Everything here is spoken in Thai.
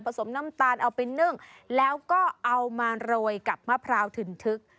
สมน้ำตาลเอาไปนึ่งแล้วก็เอามาโรยกับมะพร้าวถึ่นทึก